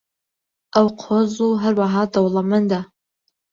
ئەو قۆز و هەروەها دەوڵەمەندە.